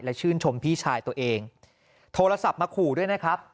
และชื่นชมพี่ชายตัวเองโทรศัพท์มาขู่ด้วยนะครับ